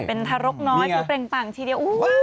เป็นทะลกน้อยเป็นเปล็งปังทีเดียว